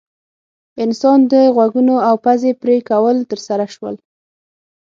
انسان د غوږونو او پزې پرې کول ترسره شول.